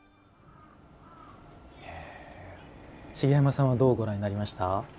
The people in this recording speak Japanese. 茂山さんはどうご覧になりました？